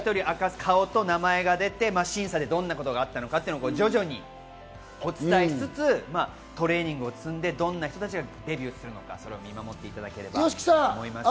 顔と名前が出て、審査でどんなことがあったのか徐々にお伝えしつつトレーニングを積んで、どんな人たちがデビューするのか、それを見守っていただければと思います。